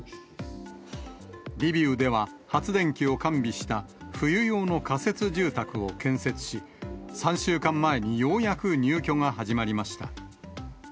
リビウでは発電機を完備した冬用の仮設住宅を建設し、３週間前にようやく入居が始まりました。